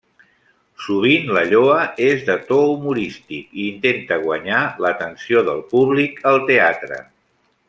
Sovint, la lloa és de to humorístic i intenta guanyar l'atenció del públic al teatre.